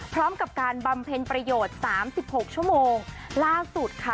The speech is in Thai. พร้อมกับการบำเพ็ญประโยชน์สามสิบหกชั่วโมงล่าสุดค่ะ